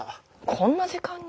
こんな時間に？